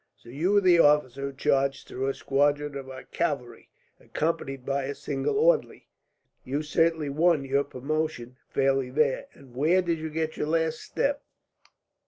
"So you were the officer who charged through a squadron of our cavalry, accompanied by a single orderly! You certainly won your promotion fairly there. And where did you get your last step?"